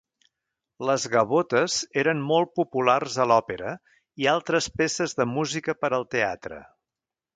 Les gavotes eren molt populars a l'òpera i altres peces de música per al teatre.